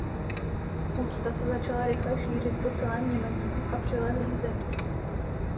Úcta se začala rychle šířit po celém Německu a přilehlých zemích.